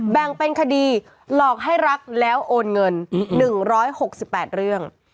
แบ่งเป็นคดีหลอกให้รักแล้วโอนเงิน๑๖๘เรื่อง